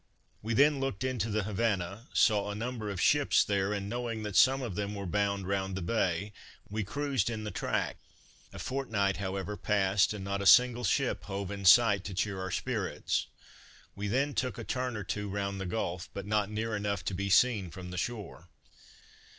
We then looked into the Havana, saw a number of ships there, and knowing that some of them were bound round the bay, we cruised in the track: a fortnight, however, passed, and not a single ship hove in sight to cheer our spirits. We then took a turn or two round the gulf, but not near enough to be seen from the shore.